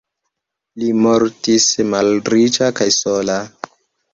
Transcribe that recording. Li mortis malriĉa kaj sola.